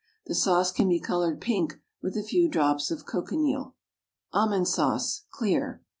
The sauce can be coloured pink with a few drops of cochineal. ALMOND SAUCE (CLEAR).